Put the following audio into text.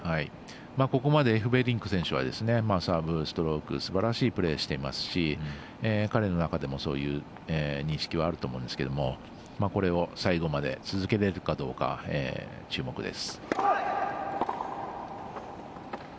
ここまでエフベリンク選手はサーブ、ストロークすばらしいプレーしていますし彼の中でもそういう認識はあると思うんですけれどもこれを最後まで続けられるかどうか注目です。